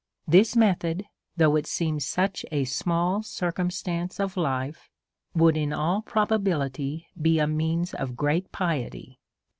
This method, ^ though it seems such a small circumstance of hfe, would in all probability be a means of great piety.